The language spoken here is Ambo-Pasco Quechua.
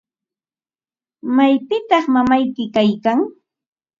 ¿mayqantaq mamayki kaykan?